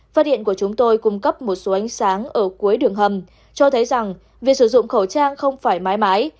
phát hiện của chúng tôi cung cấp một số ánh sáng ở cuối đường hầm cho thấy rằng việc sử dụng khẩu trang không phải mãi mãi